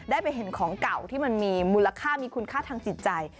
ได้ไปเห็นของเก่าที่มันมีมูลค่ามีคุณค่าทางจิตใจ